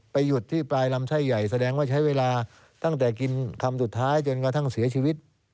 หยุดที่ปลายลำไส้ใหญ่แสดงว่าใช้เวลาตั้งแต่กินคำสุดท้ายจนกระทั่งเสียชีวิต